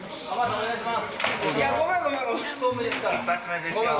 お願いします。